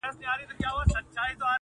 هغې به تکه سپينه خوله باندې روژه راوړې،